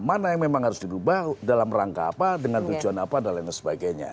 mana yang memang harus dirubah dalam rangka apa dengan tujuan apa dan lain sebagainya